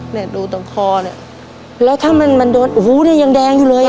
เนี่ยดูตรงคอเนี่ยแล้วถ้ามันมันโดนโอ้โหเนี่ยยังแดงอยู่เลยอ่ะ